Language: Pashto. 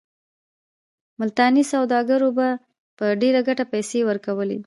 ملتاني سوداګرو به په ډېره ګټه پیسې ورکولې.